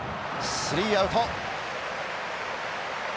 スリーアウト。